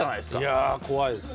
いや怖いです。